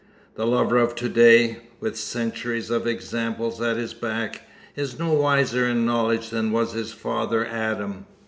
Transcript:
The lover of to day, with centuries of examples at his back, is no wiser in knowledge than was his father Adam.